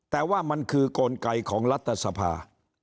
แต่ว่ามันคือกลไกของรัฐสภา